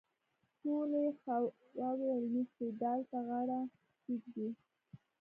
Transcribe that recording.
ټولې خواوې علمي استدلال ته غاړه کېږدي.